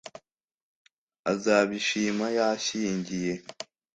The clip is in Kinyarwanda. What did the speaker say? azabishima yashyingiye!